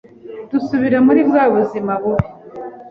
dusubira muri bwa buzima bubi,